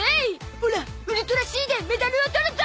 オラウルトラ Ｃ でメダルを取るゾ！